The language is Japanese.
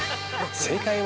◆正解は？